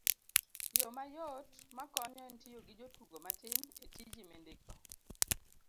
yo mayot makonyo en tiyo gi jotugo matin e tiji mindiko